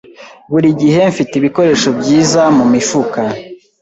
Buri gihe mfite ibikoresho byiza mumifuka.